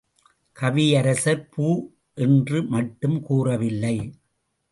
கவியரசர் பூ என்று மட்டும் கூறவில்லை.